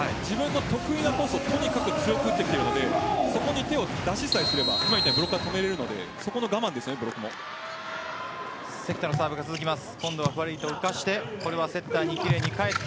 自分の得意なコースをとにかく強く打ってきているのでそこに出しさえすればブロックは決めれるのでそこのブロックの我慢です。